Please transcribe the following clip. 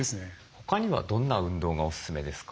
他にはどんな運動がおすすめですか？